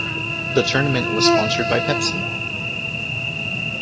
The tournament was sponsored by Pepsi.